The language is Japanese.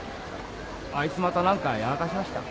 あいつまた何かやらかしました？